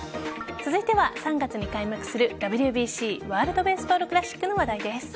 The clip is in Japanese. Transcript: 続いては、３月に開幕するＷＢＣワールド・ベースボール・クラシックの話題です。